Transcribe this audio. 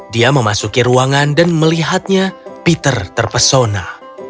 dia memasuki ruangan dan melihatnya peter terpesona